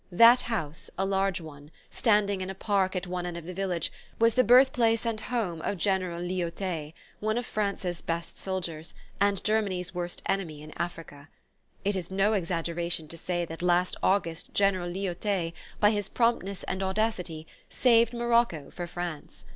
That house, a large one, standing in a park at one end of the village, was the birth place and home of General Lyautey, one of France's best soldiers, and Germany's worst enemy in Africa. It is no exaggeration to say that last August General Lyautey, by his promptness and audacity, saved Morocco for France.